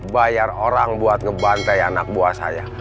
bayar orang buat ngebante anak buah saya